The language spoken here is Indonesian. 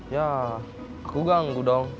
ya aku ganggu dong